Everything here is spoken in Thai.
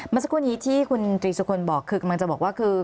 เมื่อสักครู่นี้ที่คุณตรีสุกลบอกคือกำลังจะบอกว่าคือ